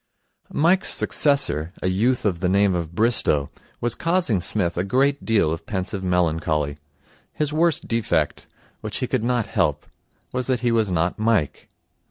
Mike's successor, a youth of the name of Bristow, was causing Psmith a great deal of pensive melancholy. His worst defect which he could not help was that he was not Mike.